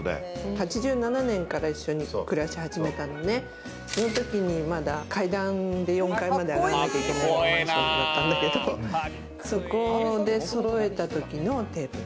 ８７年から一緒に暮らし始めたので、そのときにまだ階段で４階まで上がらなきゃいけないマンションだったんだけれども、そこで揃えたときのテーブル。